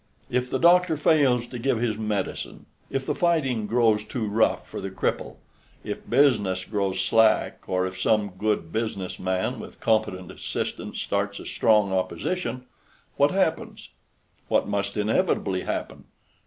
If the doctor fails to give his medicine, if the fighting grows too rough for the cripple, if business grows slack, or if some good business man with competent assistants starts a strong opposition what happens? What must inevitably happen?